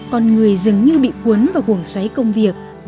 con người dứng như bị cuốn và cuồng xoáy công việc